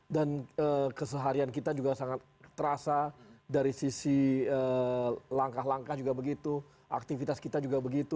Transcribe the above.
dan keseharian kita juga sangat terasa dari sisi langkah langkah juga begitu aktivitas kita juga begitu